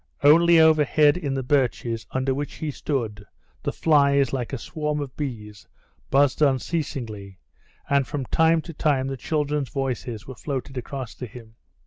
Only overhead in the birches under which he stood, the flies, like a swarm of bees, buzzed unceasingly, and from time to time the children's voices were floated across to him.